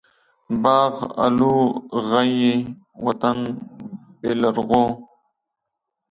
باغ الو غيي ،وطن بيلرغو.